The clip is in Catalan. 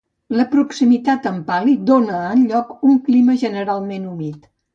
La proximitat amb Pali dóna al lloc un clima generalment humit.